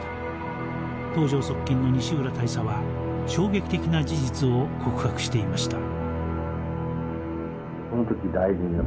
東条側近の西浦大佐は衝撃的な事実を告白していました。